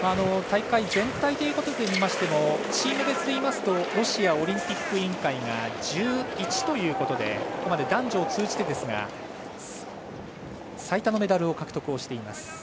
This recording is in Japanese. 大会全体でいいましてもチーム別でいいますとロシアオリンピック委員会が１１ということでここまで男女を通じてですが最多のメダルを獲得しています。